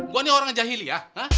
gue ini orang jahiliah